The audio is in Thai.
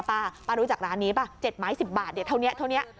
ป้าป้ารู้จักร้านนี้ป่ะ๗หมาย๑๐บาทเท่านี้